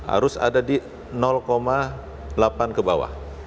harus ada di delapan ke bawah